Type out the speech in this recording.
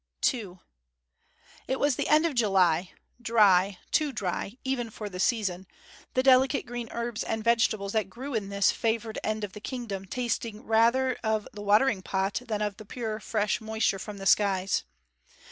II It was the end of July dry, too dry, even for the season, the delicate green herbs and vegetables that grew in this favoured end of the kingdom tasting rather of the watering pot than of the pure fresh moisture from the skies.